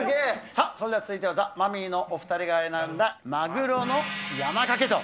さあ、それでは続いては、ザ・マミィのお２人が選んだマグロの山かけと。